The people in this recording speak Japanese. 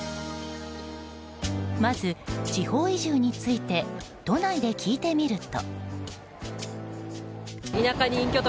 まず地方移住について都内で聞いてみると。